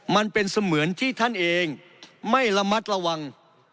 มันเป็นเสมือนที่ท่านเองไม่ระมัดระวัง